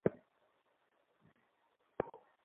সে কিছুক্ষণের মধ্যে ফিরে আসবে।